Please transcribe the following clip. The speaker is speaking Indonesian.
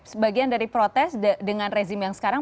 sebagian dari protes dengan rezim yang sekarang